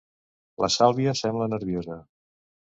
La Sàlvia sembla nerviosa.